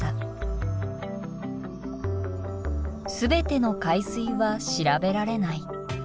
全ての海水は調べられない。